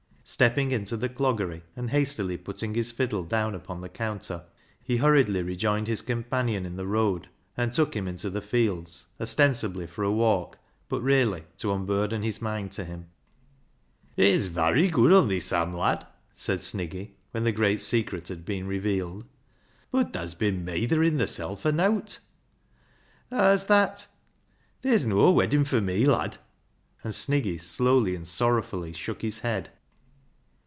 Step ping into the Cloggery, and hastily putting his fiddle down upon the counter, he hurriedly re joined his companion in the road, and took him into the fields, ostensibly for a walk, but really to unburden his mind to him. " It's varry gooid on thi, Sam lad !" said Sniggy, when the great secret had been revealed, " bud tha's bin meytherin' thisel' fur nowt." "Haa's that?" " Ther's noa weddin' fur me, lad ;" and Sniggy slowly and sorro\vfully shook his head.